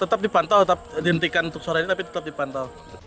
tetap dipantau dihentikan untuk sore ini tapi tetap dipantau